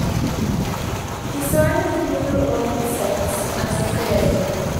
He signed with the New Orleans Saints as a free agent.